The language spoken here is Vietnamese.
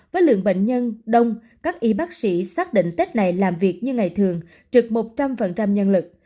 với lượng bệnh nhân đông các y bác sĩ xác định tết này làm việc như ngày thường trực một trăm linh nhân lực